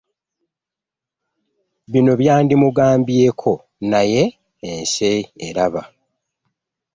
Bino byandimugambyeko naye ensi eraba.